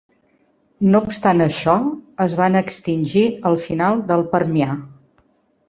No obstant això, es van extingir al final del Permià.